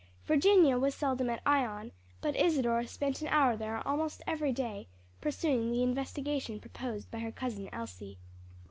Virginia was seldom at Ion, but Isadore spent an hour there almost every day pursuing the investigation proposed by her Cousin Elsie.